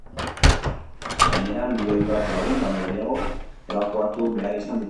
Gainera, milioi bat lagun baino gehiago ebakuatu behar izan dituzte.